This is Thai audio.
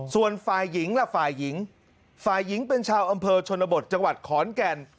ส่วนฝ่ายหญิงล่ะฝ่ายหญิงฝ่ายหญิงเป็นชาวอำเภอชนบทจังหวัดขอนแก่น